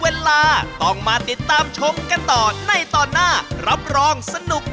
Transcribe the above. นั่นไม่ต้องมาเลยป่านนี้มันยังไม่มาเลยดูดิ